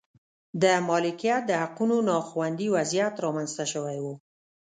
د مالکیت د حقونو نا خوندي وضعیت رامنځته شوی و.